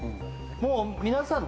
もう皆さん